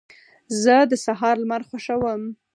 زه د سهار لمر خوښوم.